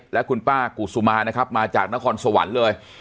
และคุณป้ากุศุมานะครับมาจากนครสวรรค์เลย